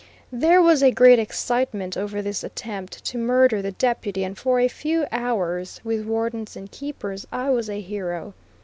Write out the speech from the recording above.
There was a great excitement over this attempt to murder the Deputy, and for a few hours, with wardens and keepers, I was a hero.